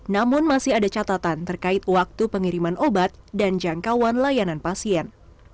namun masih ada catatan terkait waktu pengiriman obat dan jangkauan layanan pasien